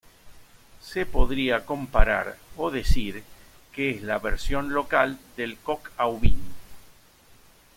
Se podría comparar o decir que es la versión local del Coq-au-vin.